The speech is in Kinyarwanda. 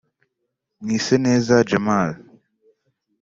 Mwiseneza Djamal